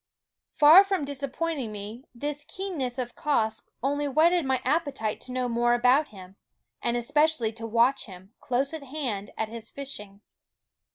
Far from disappointing me, this keenness of Quoskh only whetted my appetite to know more about him, and especially to watch him, close at hand, at his fishing.